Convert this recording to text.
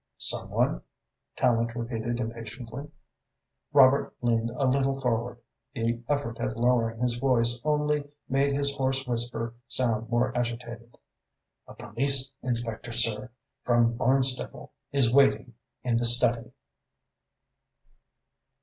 "Some one?" Tallente repeated impatiently. Robert leaned a little forward. The effort at lowering his voice only made his hoarse whisper sound more agitated. "A police inspector, sir, from Barnstaple, is waiting in the study."